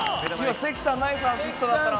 関さんナイスアシストだったな。